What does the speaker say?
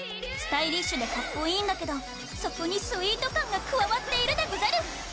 スタイリッシュでかっこいいんだけどそこにスイート感が加わっているでござる。